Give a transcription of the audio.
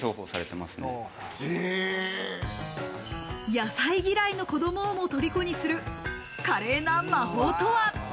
野菜嫌いの子供をも虜にする華麗な魔法とは？